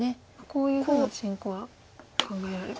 こういうふうな進行は考えられますか。